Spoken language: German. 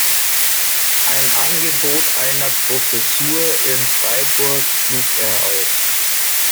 Ein Angebot einer Professur in Freiburg schlug er aus.